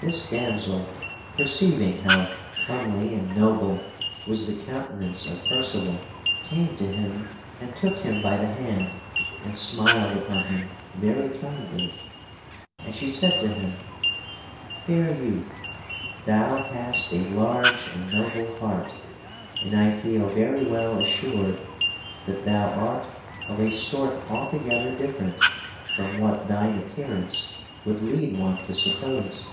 This damsel perceiving how comely and noble was the countenance of Percival, came to him and took him by the hand and smiled upon him very kindly. And she said to him: "Fair youth, thou hast a large and noble heart, and I feel very well assured that thou art of a sort altogether different from what thine appearance would lead one to suppose.